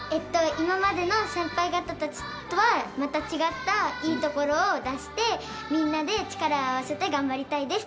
今までの先輩方たちとはまた違ったいいところを出してみんなで力を合わせて頑張りたいです。